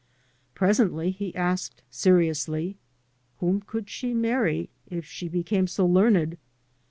Presently he asked seriously, " Whom could she marry if she became so learned?